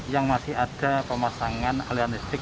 yang masih ada pemasangan aliran listrik